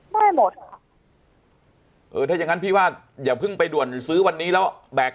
ได้หมดอย่างนั้นพี่ว่าเดี๋ยวคึงไปด่วนซื้อวันนี้แล้วแบก